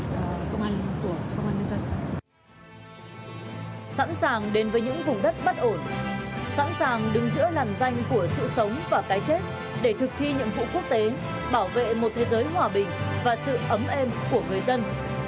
để thực thi nhiệm vụ quốc tế bảo vệ một thế giới hòa bình và sự ấm êm của người dân